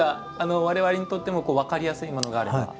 我々にとっても分かりやすいものがあれば。